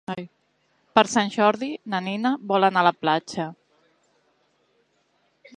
Per Sant Jordi na Nina vol anar a la platja.